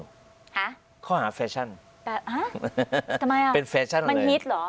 ฮะข้อหาแฟชั่นแต่ฮะทำไมอ่ะเป็นแฟชั่นมันฮิตเหรอ